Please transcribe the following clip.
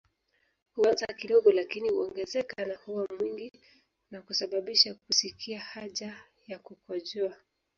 Huanza kidogo lakini huongezeka na huwa mwingi na kusababisha kusikia haja ya kukojoa